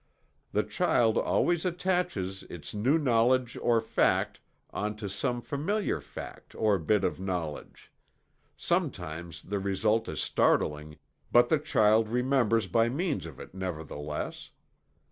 The child always attaches its new knowledge or fact on to some familiar fact or bit of knowledge sometimes the result is startling, but the child remembers by means of it nevertheless.